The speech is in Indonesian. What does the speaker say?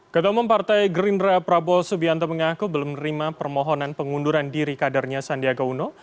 ketemu partai gerindra prabowo subianto mengaku belum menerima permohonan pengunduran diri kadernya sandiaga uno